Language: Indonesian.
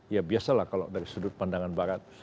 ya biasalah kalau dari sudut pandangan barat